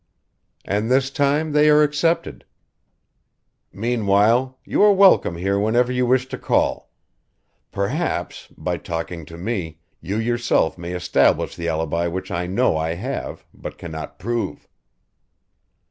"And this time they are accepted." "Meanwhile you are welcome here whenever you wish to call. Perhaps by talking to me you yourself may establish the alibi which I know I have, but cannot prove."